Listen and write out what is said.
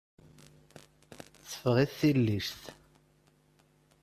Teffeɣ-it tillict.